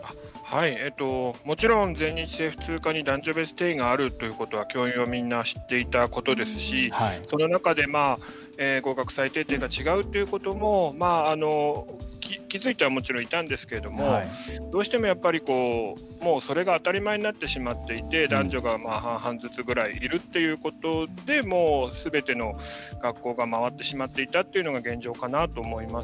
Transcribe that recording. もちろん、全日制普通科に男女別定員があるということは教員はみんな知っていたことですしその中で、合格最低点が違うということも気付いてはもちろん、いたんですけれどもどうしても、もうそれが当たり前になってしまっていて男女が半々ずつぐらいいるということですべての学校が回ってしまっていたというのが現状かなと思います。